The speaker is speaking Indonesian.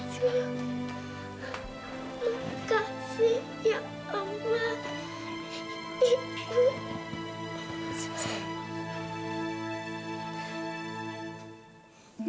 terima kasih ya om